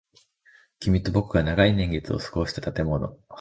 君と僕が長い年月を過ごした建物。